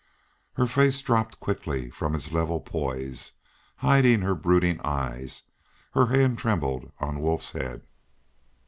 Her face dropped quickly from its level poise, hiding the brooding eyes; her hand trembled on Wolf's head.